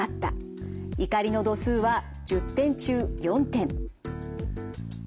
怒りの度数は１０点中４点。